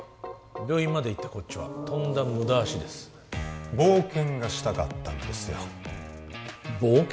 病院まで行ったこっちはとんだ無駄足です冒険がしたかったんですよ冒険？